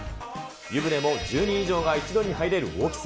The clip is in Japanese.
湯船も１０人以上が一堂に入れる大きさ。